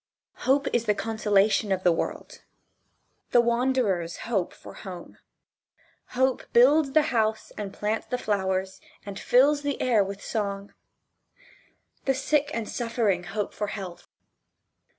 Hope is the consolation of the world. The wanderers hope for home. Hope builds the house and plants the flowers and fills the air with song. The sick and suffering hope for health.